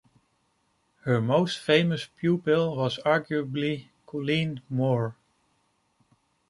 Her most famous pupil was arguably Colleen Moore.